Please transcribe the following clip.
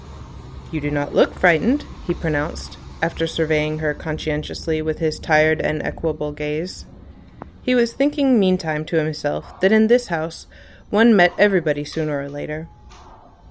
"You do not look frightened," he pronounced, after surveying her conscientiously with his tired and equable gaze. He was thinking meantime to himself that in this house one met everybody sooner or later.